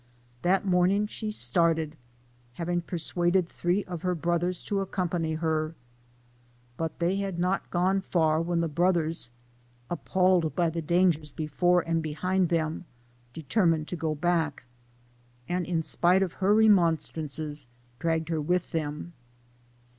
That morning she started, having persuaded three of her brothers to accompany her, but they had not gone far when the brothers, ap palled by the dangers before and behind them, determined to go back, and in spite of her re monstrances dragged her with them.